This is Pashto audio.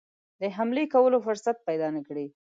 د حملې کولو فرصت پیدا نه کړي.